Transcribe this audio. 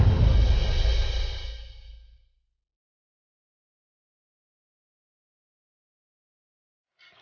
terima kasih pak